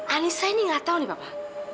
anissa ini gak tau nih papa